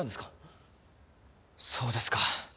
そうですか。